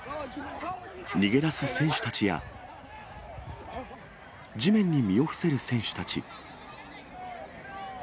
逃げ出す選手たちや、地面に身を伏せる選手たち。